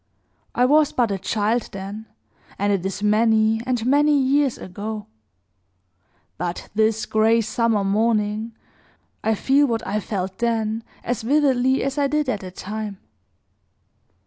I was but a child then, and it is many and many years ago; but this gray summer morning, I feel what I felt then, as vividly as I did at the time.